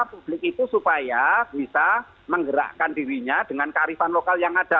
publik itu supaya bisa menggerakkan dirinya dengan kearifan lokal yang ada